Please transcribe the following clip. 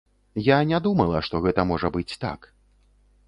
Я не думала, што гэта можа быць так.